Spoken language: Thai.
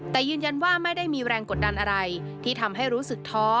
แต่ยืนยันว่าไม่ได้มีแรงกดดันอะไรที่ทำให้รู้สึกท้อ